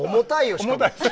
しかも。